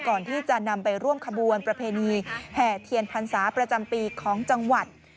ก่อนที่จะนำไปร่วมขบวนประเพณีแห่เทียนพรรษาประจำปีของจังหวัด